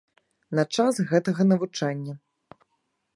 На час гэтага навучання.